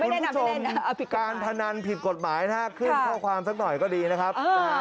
คุณผู้ชมการพิกฎหมายถ้าขึ้นข้อความสักหน่อยก็ดีนะครับ